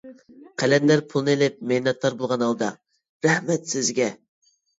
قەلەندەر پۇلنى ئىلىپ مىننەتدار بولغان ھالدا-رەھمەت سىزگە!